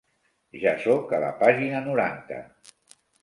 Ja soc a la pàgina noranta.